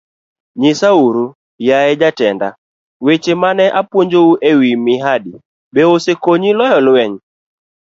Nyisauru, yaye jatenda, weche ma ne apuonjou e wi mahadi, be osekonyi loyo lweny?